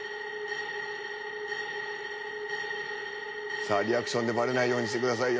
さあリアクションでバレないようにしてくださいよ。